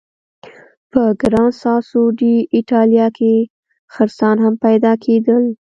په ګران ساسو ډي ایټالیا کې خرسان هم پیدا کېدل.